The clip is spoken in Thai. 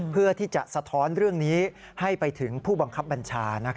เพื่อที่จะสะท้อนเรื่องนี้ให้ไปถึงผู้บังคับบัญชา